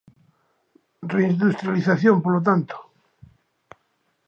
Reindustrialización, polo tanto.